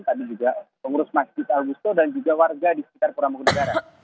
tapi juga pengurus masjid awusto dan juga warga di sekitar puramangkode garan